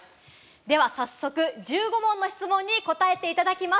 では、早速１５問の質問に答えていただきます。